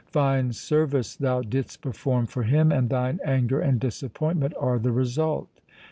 ' Fine service thou didst perform for him, and thine anger and disappoint ment are the result